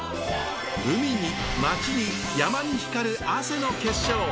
海に町に山に光る汗の結晶。